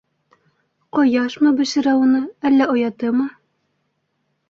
Ҡояшмы бешерә уны, әллә оятымы?!